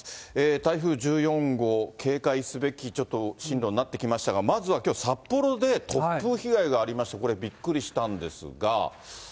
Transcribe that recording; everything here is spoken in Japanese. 台風１４号、警戒すべき、ちょっと進路になってきましたが、まずはきょう、札幌で突風被害がありまして、これ、びっくりしたんですが。